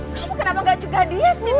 kamu kenapa gak jaga dia sih mina